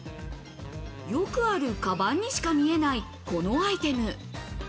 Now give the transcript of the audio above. よくあるカバンにしか見えないこのアイテム